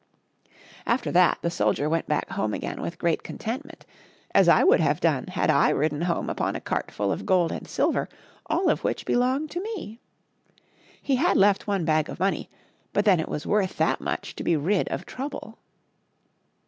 After that the soldier went back home again with great contentment — as I would have done had I ridden home upon a cart full of gold and silver, all of which belonged to me. He had left one bag of money, but then it was worth that much to be rid of Trouble.